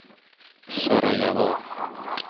سارایوو